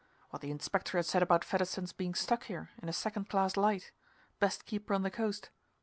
What the Inspector had said about Fedderson's being stuck here in a second class light best keeper on the coast.